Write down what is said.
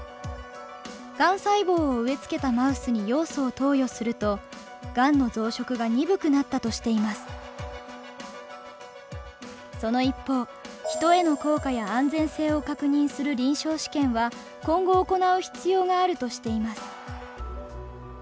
がん細胞を植えつけたマウスにヨウ素を投与するとその一方人への効果や安全性を確認する臨床試験は今後行う必要があるとしています。